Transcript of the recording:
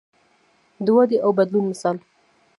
د ودې او بدلون مثال.